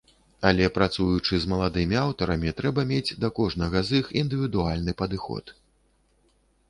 Але, працуючы з маладымі аўтарамі, трэба мець да кожнага з іх індывідуальны падыход.